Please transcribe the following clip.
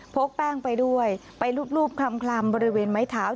กแป้งไปด้วยไปรูปคลำบริเวณไม้เท้า